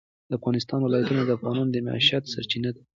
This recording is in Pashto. د افغانستان ولايتونه د افغانانو د معیشت سرچینه ده.